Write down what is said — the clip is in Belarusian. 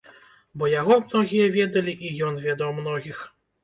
Бо яго многія ведалі, і ён ведаў многіх.